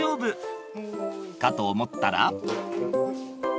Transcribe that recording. かと思ったら。